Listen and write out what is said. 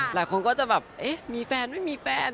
หลายคนก็จะแบบเอ๊ะมีแฟนไม่มีแฟน